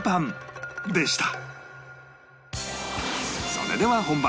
それでは本番